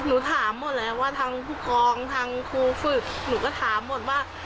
หนูถามหมดแล้วว่าทางผู้กองทางครูฝึกหนูก็ถามหมดว่า